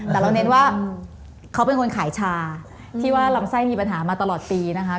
แต่เราเน้นว่าเขาเป็นคนขายชาที่ว่าลำไส้มีปัญหามาตลอดปีนะคะ